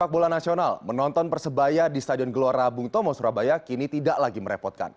sepak bola nasional menonton persebaya di stadion gelora bung tomo surabaya kini tidak lagi merepotkan